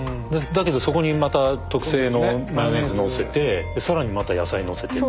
だけどそこにまた特製のマヨネーズ載せてさらにまた野菜載せて。